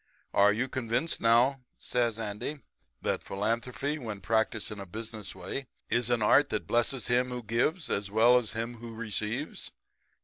Are you convinced now,' says Andy, 'that philanthropy when practiced in a business way is an art that blesses him who gives as well as him who receives?'